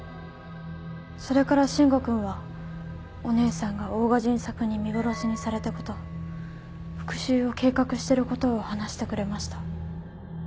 それから伸吾君はお姉さんが大賀仁策に見殺しにされたこと復讐を計画してることを話してくれました。